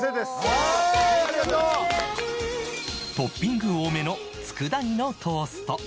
トッピング多めの佃煮のトースト